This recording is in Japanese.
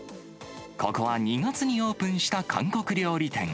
ここは２月にオープンした韓国料理店。